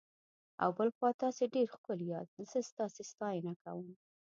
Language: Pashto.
او بل خوا تاسي ډېر ښکلي یاست، زه ستاسي ستاینه کوم.